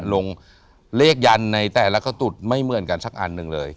ลงเลขยันในแต่ละกระตุดไม่เหมือนกันสักอันหนึ่งเลย